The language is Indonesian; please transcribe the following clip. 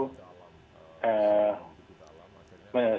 sepanjang pengetahuan kami